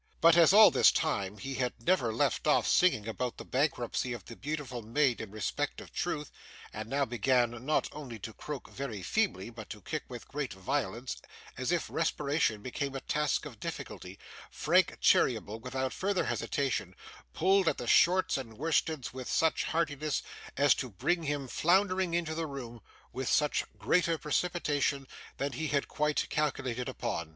But, as all this time he had never left off singing about the bankruptcy of the beautiful maid in respect of truth, and now began not only to croak very feebly, but to kick with great violence as if respiration became a task of difficulty, Frank Cheeryble, without further hesitation, pulled at the shorts and worsteds with such heartiness as to bring him floundering into the room with greater precipitation than he had quite calculated upon.